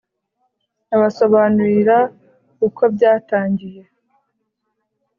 abasobanurira uko byatangiye.